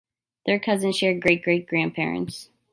Third cousins share great-great-grandparents.